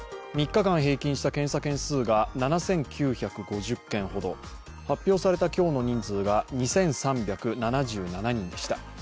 ３日間平均した検査件数が７９５０件程、発表された今日の人数が２３７７人でした。